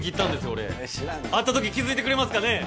俺会った時気づいてくれますかね？